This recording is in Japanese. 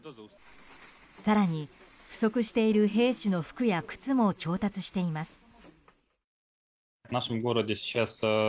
更に、不足している兵士の服や靴も調達しています。